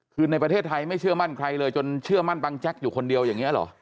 คือในประเทศไทยไม่เชื่อมั่นใครเลยจนเชื่อมั่นบังแจ๊กอยู่คนเดียวอย่างนี้เหรอ